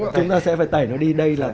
chúng ta sẽ phải tẩy nó đi